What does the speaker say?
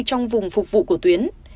trong vùng phục vụ của tuyến